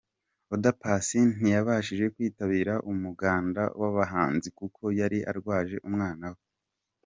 Oda Paccy ntiyabashije kwitabira umuganda w’abahanzi kuko yari arwaje umwana we.